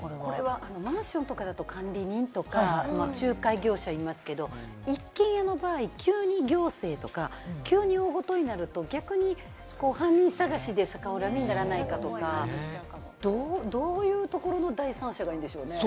マンションとかだと管理人とか、仲介業者いますけど、一軒家の場合、急に行政とか急に大事になると、逆に犯人探しで逆恨みにならないかとか、どういう所の第三者がいいんでしょうね。